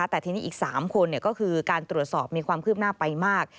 แต่ทีนี้อีก๓คนก็คือการตรวจสอบมีความคืบหน้าไปมาก